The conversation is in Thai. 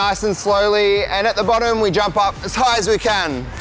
ยังช่วยให้เรียวขาสวยงามค่ะ